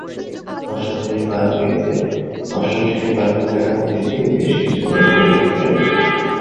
অষ্টম শ্রেণী পার হতে না-হতেই তিনি বেশ কিছু গল্প লিখে ফেলেন।